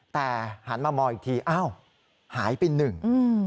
แต่หันมามองอีกทีอ้าวหายไปหนึ่ง